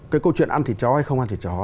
cái câu chuyện ăn thịt chó hay không ăn thịt chó